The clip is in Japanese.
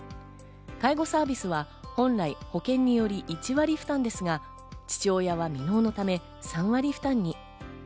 介護サービスは本来、保険により１割負担ですが、父親は未納のため、３割負担に。